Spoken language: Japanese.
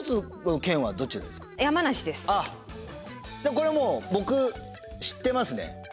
これもう僕知ってますね。